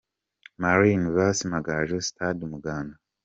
Marines vs Amagaju – Stade Umuganda.